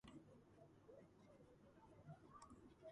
მისი სამშობლო იყო რუსეთის ევროპული ნაწილი და აღმოსავლეთი ევროპა.